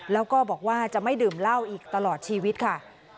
แล้วก็บอกว่าจะไม่ดื่มเหล้าอีกตลอดชีวิตค่ะ